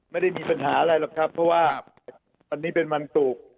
ไม่ได้มีปัญหาอะไรครับเพราะว่าคนนี้เป็นวันปรุก